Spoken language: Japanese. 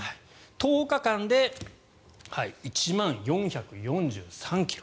１０日間で１万４４３ｋｍ。